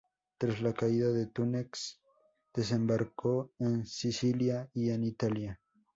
Tras la caída de Túnez, desembarcó en Sicilia y en Italia.